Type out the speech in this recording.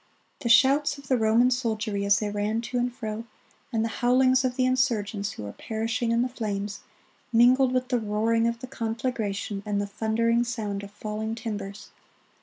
The shouts of the Roman soldiery as they ran to and fro, and the howlings of the insurgents who were perishing in the flames, mingled with the roaring of the conflagration and the thundering sound of falling timbers.